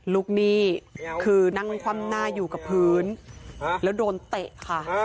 หนี้คือนั่งคว่ำหน้าอยู่กับพื้นแล้วโดนเตะค่ะ